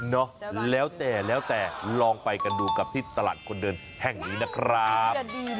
เนอะแล้วแต่แล้วแต่ลองไปกันดูกับที่ตลาดคนเดินแห่งนี้นะครับ